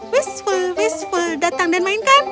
wishful wishful datang dan mainkan